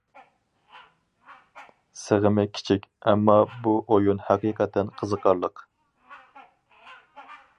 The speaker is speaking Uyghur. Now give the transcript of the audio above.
سىغىمى كىچىك ئەمما بۇ ئويۇن ھەقىقەتەن قىزىقارلىق.